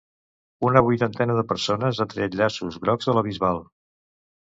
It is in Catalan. Una vuitantena de persones ha tret llaços grocs de la Bisbal.